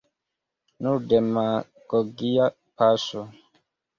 Nur demagogia paŝo.